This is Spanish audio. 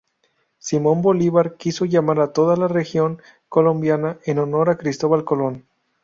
Simón Bolívar quiso llamar a toda la región "Colombia", en honor a Cristóbal Colón.